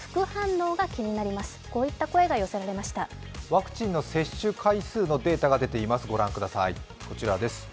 ワクチンの接種回数のデータが出ています。